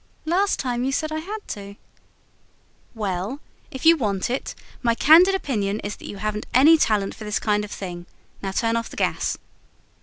"Last time you said I had to." "Well, if you want it, my candid opinion is that you haven't any talent for this kind of thing. Now turn off the gas."